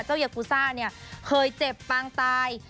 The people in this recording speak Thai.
ยากูซ่าเนี่ยเคยเจ็บปางตาย